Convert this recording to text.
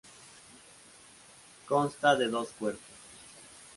Consta de dos cuerpos.